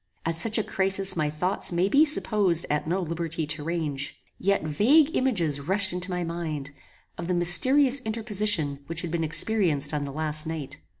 At such a crisis my thoughts may be supposed at no liberty to range; yet vague images rushed into my mind, of the mysterious interposition which had been experienced on the last night.